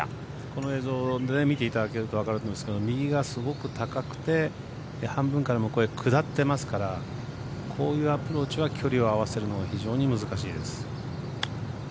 この映像、見ていただけるとわかると思うんですけど右がすごく高くて半分から向こうへこうやって下ってますからこういうアプローチは距離を合わせるのが非常に難しいです。